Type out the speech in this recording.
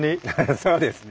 そうですね。